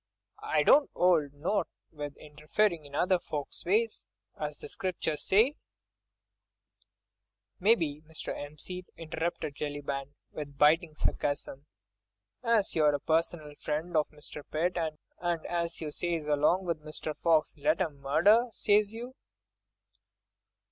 I don't 'old not with interferin' in other folks' ways. As the Scriptures say—" "Maybe, Mr. 'Empseed," interrupted Jellyband, with biting sarcasm, "as you're a personal friend of Mr. Pitt, and as you says along with Mr. Fox: 'Let 'em murder!' says you."